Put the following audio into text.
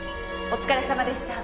お疲れさまでした。